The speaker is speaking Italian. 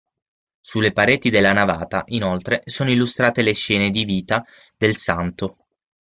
Sulle pareti della navata, inoltre, sono illustrate le scene di vita del Santo.